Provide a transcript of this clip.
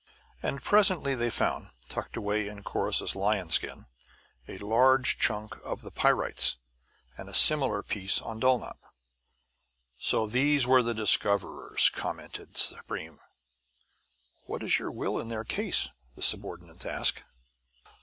And presently they found, tucked away in Corrus's lion skin, a large chunk of the pyrites, and a similar piece on Dulnop. "So these were the discoverers," commented Supreme. "What is your will in their case?" the subordinate asked.